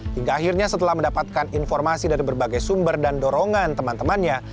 hingga akhirnya setelah mendapatkan informasi dari berbagai sumber dan dorongan teman temannya